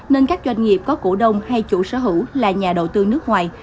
nên các doanh nghiệp có cổ đông hay chủ sở hữu là nhà đầu tư nước ngoài